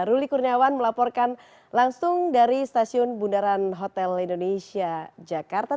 ruli kurniawan melaporkan langsung dari stasiun bundaran hotel indonesia jakarta